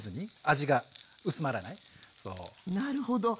なるほど。